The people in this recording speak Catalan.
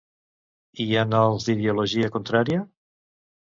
I en els d'ideologia contrària?